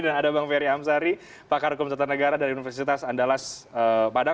dan ada bang ferry amsari pakar hukum setanegara dari universitas andalas padang